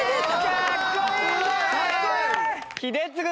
かっこいい！